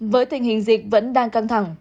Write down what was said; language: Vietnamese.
với tình hình dịch vẫn đang căng thẳng